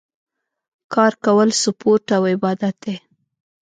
کار کول سپورټ او عبادت دی